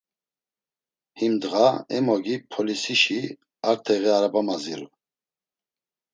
Him ndğa, em ogi polisişi arteği araba maziru.